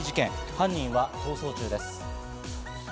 犯人は逃走中です。